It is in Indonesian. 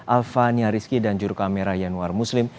alva nyariski dan juru kamera yanuar muslim